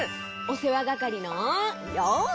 おせわがかりのようせい！